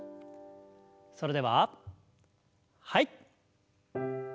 それでははい。